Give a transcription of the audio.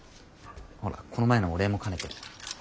ほらこの前のお礼も兼ねて。